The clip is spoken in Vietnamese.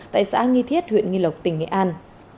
tại xã nghi thiết huyện nghi lộc tỉnh nghệ an